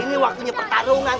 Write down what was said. ini waktunya pertarungan